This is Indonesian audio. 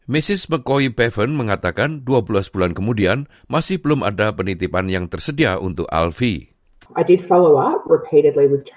misis bekoy paven mengatakan dua belas bulan kemudian masih belum ada penitipan yang tersedia untuk alfie